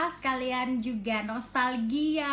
sekalian juga nostalgia